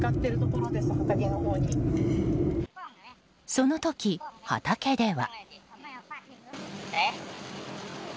その時、畑では。